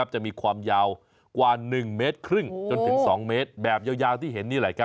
จะมีความยาวกว่า๑๕๒เมตรแบบยาวที่เห็นนี่แหละครับ